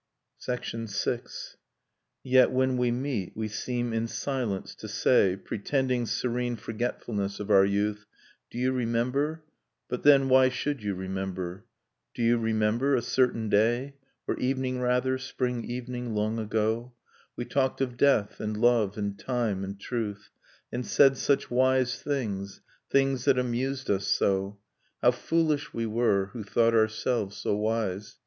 VI. Yet when we meet we seem in silence to say. Pretending serene forgetfulness of our youth, *Do you remember ... but then why should you remember ! [i6] Nocturne of Remembered Spring Do you remember, a certain day. Or evening rather, — spring evening long ago, — We talked of death, and love, and time, and truth. .. And said such w^ise things, things that amused us so ...? How foolish we were, who thought ourselves so wise